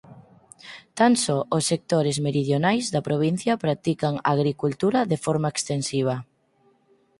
Tan só os sectores meridionais da provincia practican a agricultura de forma extensiva.